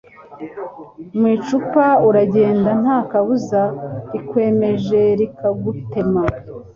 Mu icupa uragenda nta kabuza rikwemeje rikagutema